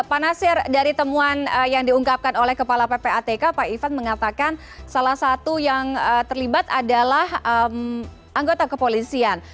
pak nasir dari temuan yang diungkapkan oleh kepala ppatk pak ivan mengatakan salah satu yang terlibat adalah anggota kepolisian